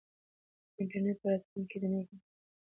انټرنیټ به په راتلونکي کې نور هم پرمختګ وکړي.